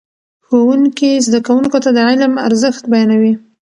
ښوونکي زده کوونکو ته د علم ارزښت بیانوي.